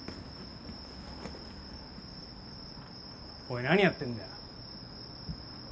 おい何やってんだよ！？